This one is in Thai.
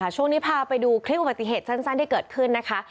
ช่วงนี้พาไปดูคลิปอุบัติเหตุสั้นที่เกิดขึ้นนะคะ